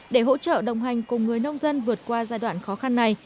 để hỗ trợ đồng hành cùng người nông dân vượt qua giai đoạn khó khăn này